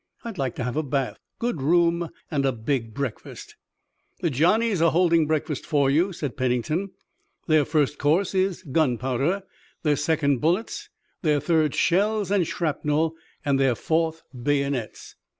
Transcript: I'd like to have a bath, good room and a big breakfast." "The Johnnies are holding breakfast for you," said Pennington. "Their first course is gunpowder, their second bullets, their third shells and shrapnel, and their fourth bayonets."